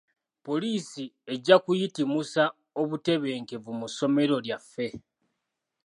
Poliisi ejja kuyitimusa obutebenkevu mu ssomero lyaffe.